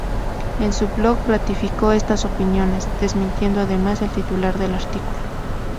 En su "blog" ratificó estas opiniones, desmintiendo además el titular del artículo.